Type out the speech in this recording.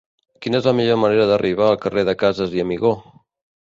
Quina és la millor manera d'arribar al carrer de Casas i Amigó?